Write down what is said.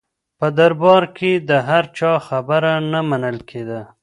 په دربار کې د هر چا خبره نه منل کېده.